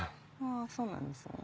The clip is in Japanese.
そうなんですね